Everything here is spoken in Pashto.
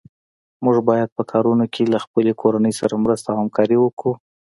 موږ باید په کارونو کې له خپلې کورنۍ سره مرسته او همکاري وکړو.